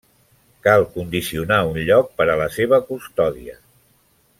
Cal condicionar un lloc per a la seva custòdia.